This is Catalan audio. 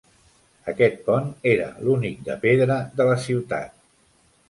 Aquest pont era l'únic de pedra de la ciutat.